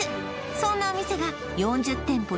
そんなお店が４０店舗